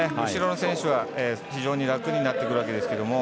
後ろの選手は非常に楽になってきます。